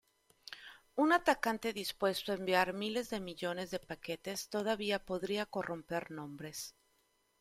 Un atacante dispuesto a enviar miles de millones de paquetes todavía podría corromper nombres.